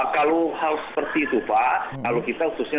kalau hal seperti itu pak kalau kita khususnya